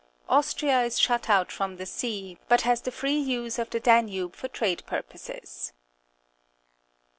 Austria is shut out from the sea, but has the free use of the Danube for trade purposes.